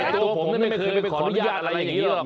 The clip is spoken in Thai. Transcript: ตัวผมไม่เคยไปขออนุญาตอะไรอย่างนี้หรอก